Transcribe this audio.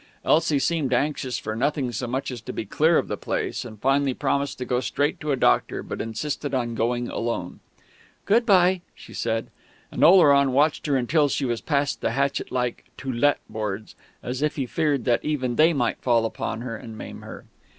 Elsie seemed anxious for nothing so much as to be clear of the place, and finally promised to go straight to a doctor, but insisted on going alone. "Good bye," she said. And Oleron watched her until she was past the hatchet like "To Let" boards, as if he feared that even they might fall upon her and maim her.